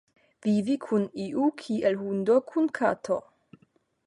Vivi kun iu kiel hundo kun kato.